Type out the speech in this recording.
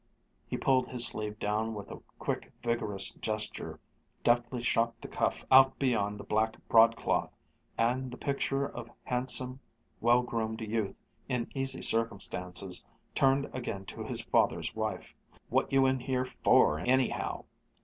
He pulled his sleeve down with a quick, vigorous gesture, deftly shot the cuff out beyond the black broadcloth, and, the picture of handsome, well groomed youth in easy circumstances, turned again to his father's wife. "What you in here for, anyhow?"